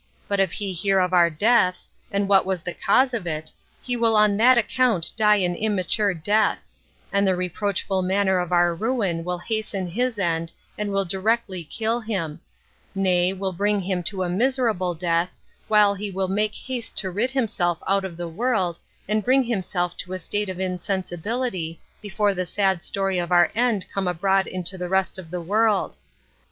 But if he hear of our deaths, and what was the cause of it, he will on that account die an immature death; and the reproachful manner of our ruin will hasten his end, and will directly kill him; nay, will bring him to a miserable death, while he will make haste to rid himself out of the world, and bring himself to a state of insensibility, before the sad story of our end come abroad into the rest of the world.